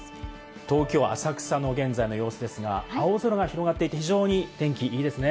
東京・浅草の現在の様子ですが、青空が広がっていて非常に天気いいですね。